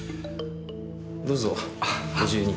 どうぞご自由に。